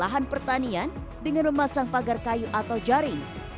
lahan pertanian dengan memasang pagar kayu atau jaring